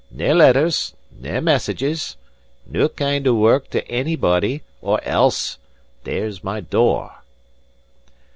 Nae letters; nae messages; no kind of word to onybody; or else there's my door."